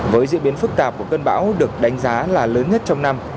với diễn biến phức tạp của cơn bão được đánh giá là lớn nhất trong năm